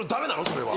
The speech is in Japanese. それは。